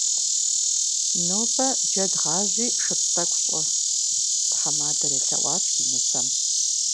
Нобэ джэд гъажьи шыпс тӏэкӏу щӏы, - тхьэмадэр елъэӏуащ и нысэм.